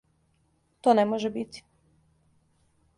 То не може бити.